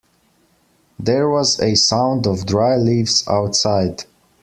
There was a sound of dry leaves outside.